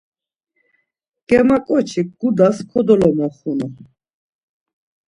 Germaǩoçik gudas kodolomoxunu.